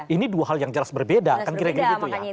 ini dua hal yang jelas berbeda kan kira kira gitu ya